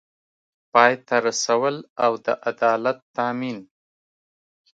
پای ته رسول او د عدالت تامین